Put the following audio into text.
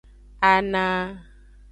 Ana.